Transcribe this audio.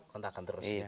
kontakan terus gitu ya